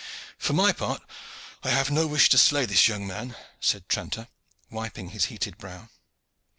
"For my part, I have no wish to slay this young man," said Tranter, wiping his heated brow.